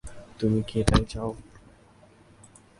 তুমি কি এটাই চাও?